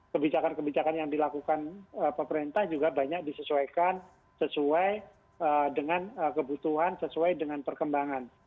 kebijakan kebijakan yang dilakukan pemerintah juga banyak disesuaikan sesuai dengan kebutuhan sesuai dengan perkembangan